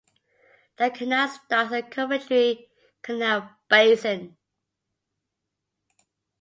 The canal starts at Coventry Canal Basin.